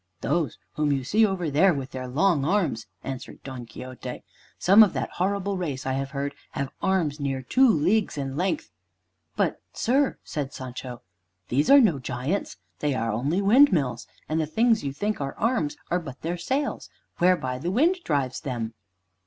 "Those whom you see over there with their long arms," answered Don Quixote. "Some of that horrible race, I have heard, have arms near two leagues in length." "But, sir," said Sancho, "these are no giants. They are only windmills, and the things you think are arms are but their sails, whereby the wind drives them."